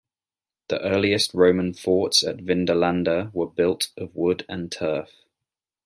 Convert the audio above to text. The earliest Roman forts at Vindolanda were built of wood and turf.